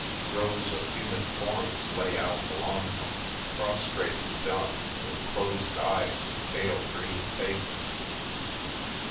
Rows of human forms lay out along them, prostrate and dumb, with closed eyes and pale green faces.